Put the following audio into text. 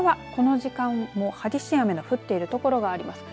この時間も激しい雨の降っている所があります。